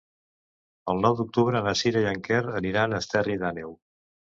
El nou d'octubre na Sira i en Quer aniran a Esterri d'Àneu.